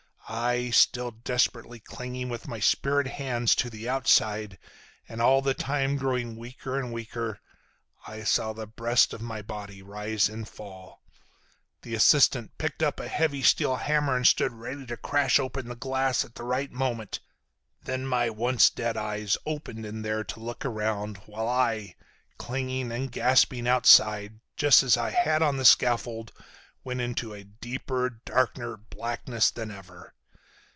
I—still desperately clinging with my spirit hands to the outside, and all the time growing weaker and weaker—I saw the breast of my body rise and fall. The assistant picked up a heavy steel hammer and stood ready to crash open the glass at the right moment. Then my once dead eyes opened in there to look around, while I, clinging and gasping outside, just as I had on the scaffold, went into a deeper, darker blackness than ever.